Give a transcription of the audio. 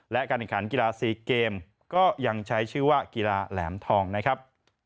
และการแข่งขันกีฬา๔เกมก็ยังใช้ชื่อว่ากีฬาแหลมทองนะครับ